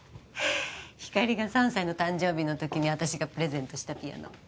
ひかりが３歳の誕生日のときに私がプレゼントしたピアノ。